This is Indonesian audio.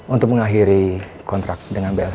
untuk mengakhiri kontrak dengan blt